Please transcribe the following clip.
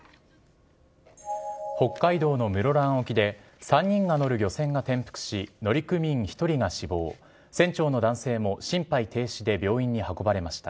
北海道の室蘭沖で３人が乗る漁船が転覆し、乗組員１人が死亡、船長の男性も心肺停止で病院に運ばれました。